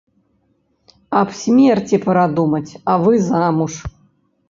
Аб смерці пара думаць, а вы замуж.